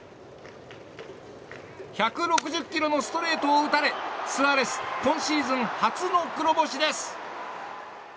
１６０キロのストレートを打たれスアレス今シーズン初の黒星です。